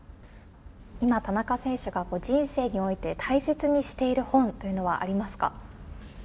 今、田中選手が人生において大切にしている本というのはありますか？